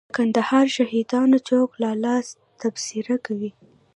د کندهار شهیدانو چوک لالا تبصره کوي.